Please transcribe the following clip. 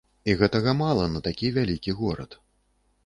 І гэтага мала на такі вялікі горад.